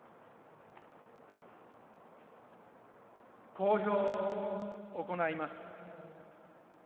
講評を行います。